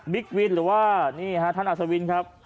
วินหรือว่านี่ฮะท่านอัศวินครับ